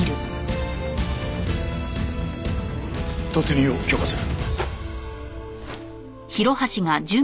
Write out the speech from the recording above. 突入を許可する。